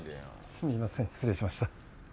すみません失礼しました。